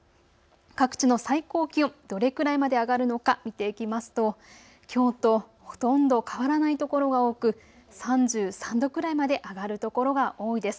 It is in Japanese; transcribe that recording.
各地の最高気温、どれくらいまで上がるのか見ていきますときょうとほとんど変わらないところが多く３３度くらいまで上がる所が多いです。